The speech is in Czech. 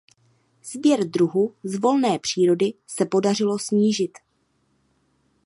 Sběr druhu z volné přírody se podařilo snížit.